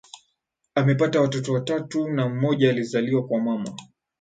Amepata watoto watatu na mmoja alizaliwa kwa mama